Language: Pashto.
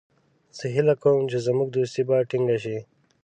زه هیله کوم چې زموږ دوستي به ټینګه شي.